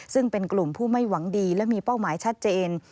ซึ่งเป็นกลุ่มผู้ไม่หวังดีและมีเป้าหมายชัดเจน